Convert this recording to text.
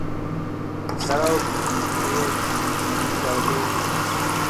দাঁড়াও, তোকে আমি গরাদে ভরছি।